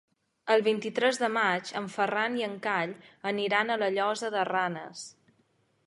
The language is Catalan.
El vint-i-tres de maig en Ferran i en Cai aniran a la Llosa de Ranes.